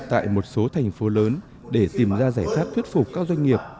tại một số thành phố lớn để tìm ra giải pháp thuyết phục các doanh nghiệp